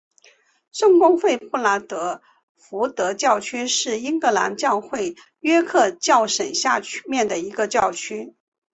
圣公会布拉德福德教区是英格兰教会约克教省下面的一个教区。